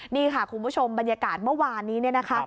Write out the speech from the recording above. นี่ค่ะคุณผู้ชมบรรยากาศเมื่อวานนี้เนี่ยนะคะ